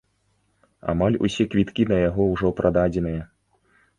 Амаль усе квіткі на яго ўжо прададзеныя.